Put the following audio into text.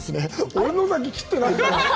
俺のだけ切ってないから。